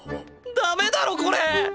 ダメだろこれ！